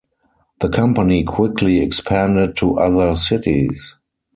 The company quickly expanded to other cities.